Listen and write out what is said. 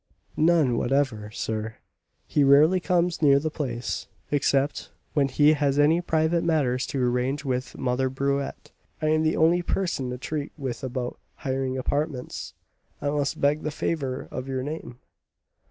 "None whatever, sir. He rarely comes near the place, except when he has any private matters to arrange with Mother Burette. I am the only person to treat with about hiring apartments. I must beg the favour of your name."